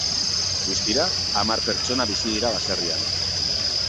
Guztira, hamar pertsona bizi dira baserrian.